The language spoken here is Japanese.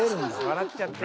［笑っちゃってる］